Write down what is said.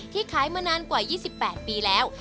ขายมานานกว่า๒๘ปีแล้ว